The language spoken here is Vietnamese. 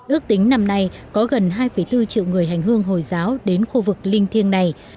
ước tính năm nay có gần hai bốn triệu người hành hương hồi giáo đến khu vực linh thiêng này